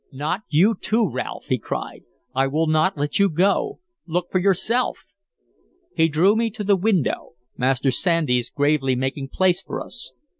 "Not you, too, Ralph!" he cried. "I will not let you go. Look for yourself!" He drew me to the window, Master Sandys gravely making place for us.